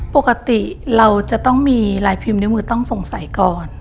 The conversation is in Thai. ปกติเราจะต้องมีลายพิมพ์นิ้วมือต้องสงสัยก่อน